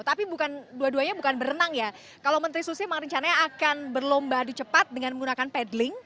tapi dua duanya bukan berenang ya kalau menteri susi memang rencananya akan berlomba di cepat dengan menggunakan pedling